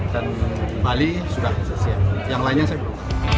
dan bali sudah yang lainnya saya belum